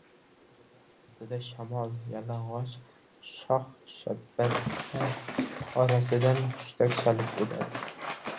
Shundoq deraza ortida shamol yalangʻoch shox-shabbalar orasidan hushtak chalib oʻtadi.